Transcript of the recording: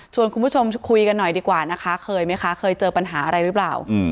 คุณผู้ชมคุยกันหน่อยดีกว่านะคะเคยไหมคะเคยเจอปัญหาอะไรหรือเปล่า